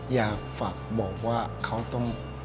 อยากฝากบอกว่าเขาต้อง